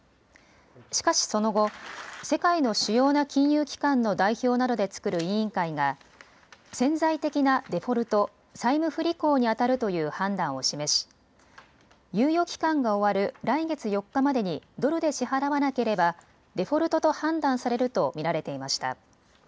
しかしその後、世界の主要な金融機関の代表などで作る委員会が潜在的なデフォルト・債務不履行にあたるという判断を示し猶予期間が終わる来月４日までにドルで支払わなければデフォルトと判断されると見られていました。